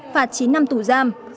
phạt chín năm tù giam